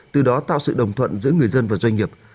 từ đó tạo sự đồng thuận giữa người dân và doanh nghiệp